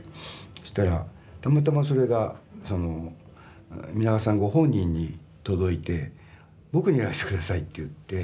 そしたらたまたまそれが皆川さんご本人に届いて「僕にやらせて下さい」って言って。